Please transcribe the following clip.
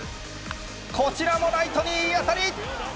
こちらもライトにいい当たり。